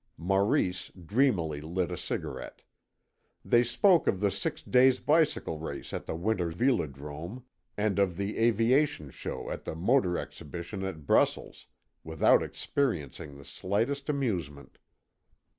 Maurice dreamily lit a cigarette. They spoke of the six days' bicycle race at the winter velodrome, and of the aviation show at the motor exhibition at Brussels, without experiencing the slightest amusement.